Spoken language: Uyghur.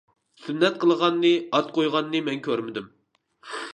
سۈننەت قىلغاننى، ئات قويغاننى مەن كۆرمىدىم.